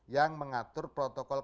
yang mengatur protokol protokolnya